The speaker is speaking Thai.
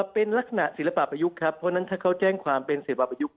เป็นลักษณะศิลปะประยุกต์ครับเพราะฉะนั้นถ้าเขาแจ้งความเป็นศิลปะประยุกต